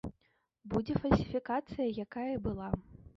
Будзе фальсіфікацыя, якая і была.